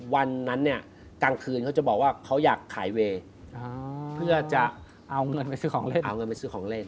วันนั้นกลางคืนเขาจะบอกว่าเขาอยากขายเวย์เพื่อจะเอาเงินไปซื้อของเล่น